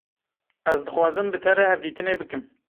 Ez dixwazim bi te re hevdîtinê bikim.